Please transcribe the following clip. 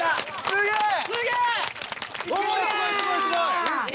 すごい。